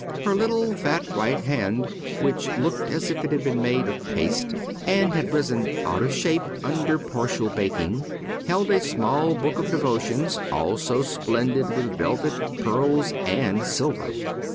Her little fat right hand, which looked as if it had been made of paste, and had risen out of shape under partial baking, held a small book of devotions, also splendid with velvet, pearls, and silver.